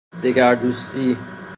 دگردوستی